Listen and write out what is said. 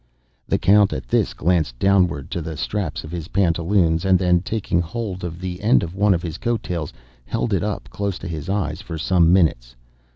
The Count, at this, glanced downward to the straps of his pantaloons, and then taking hold of the end of one of his coat tails, held it up close to his eyes for some minutes.